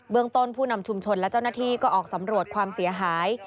ต้นผู้นำชุมชนและเจ้าหน้าที่ก็ออกสำรวจความเสียหาย